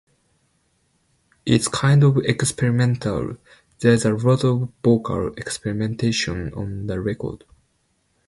It's kind of experimental; there's a lot of vocal experimentation on the record.